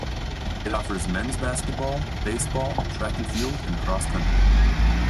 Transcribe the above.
It offers men's basketball, baseball, track and field, and cross country.